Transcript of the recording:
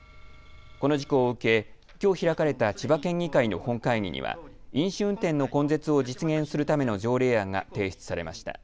この事故を受け、きょう開かれた千葉県議会の本会議には飲酒運転の根絶を実現するための条例案が提出されました。